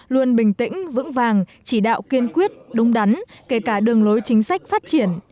luôn bình tĩnh vững vàng chỉ đạo kiên quyết đúng đắn kể cả đường lối chính sách phát triển